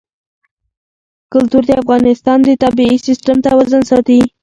کلتور د افغانستان د طبعي سیسټم توازن ساتي.